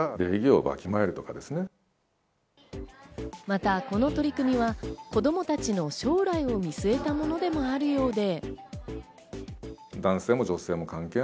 また、この取り組みは子供たちの将来を見据えたものでもあるようで。